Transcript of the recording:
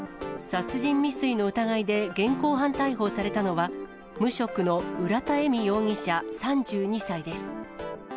殺人未遂の疑いで現行犯逮捕されたのは、無職の浦田恵美容疑者３２歳です。